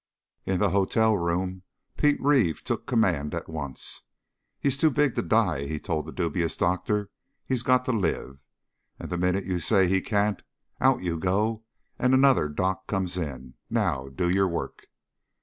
In the hotel room Pete Reeve took command at once. "He's too big to die," he told the dubious doctor. "He's got to live. And the minute you say he can't, out you go and another doc comes in. Now do your work."